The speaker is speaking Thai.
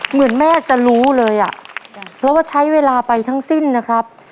เหมือนแม่จะรู้เลยอ่ะเพราะว่าใช้เวลาไปทั้งสิ้นนะครับ